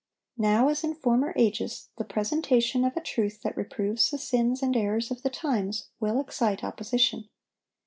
Now, as in former ages, the presentation of a truth that reproves the sins and errors of the times, will excite opposition.